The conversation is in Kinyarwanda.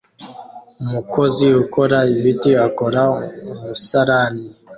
Umukozi ukora ibiti akora umusarani